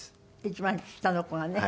一番下の子がね。